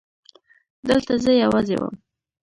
دلته زه يوازې وم.